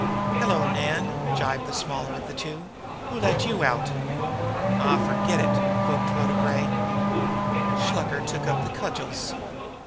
"Hello, Nan!" gibed the smaller of the two. "Who let you out?" "Aw, forget it!" croaked Rhoda Gray. Shluker took up the cudgels.